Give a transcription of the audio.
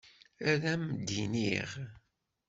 Ad m-d-iniɣ.